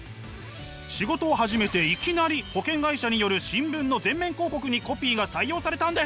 仕事を始めていきなり保険会社による新聞の全面広告にコピーが採用されたんです！